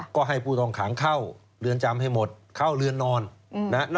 ก็ให้ผู้ต้องขังเข้าเรือนจำให้หมดเข้าเรือนนอนนะฮะ